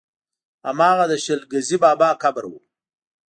هماغه د شل ګزي بابا قبر و.